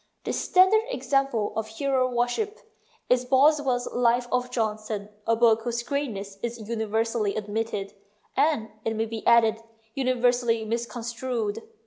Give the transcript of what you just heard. The standard example of hero worship is Boswell's " Life of Johnson," a book whose greatness is universally admitted, and, it may be added, universally misconstrued.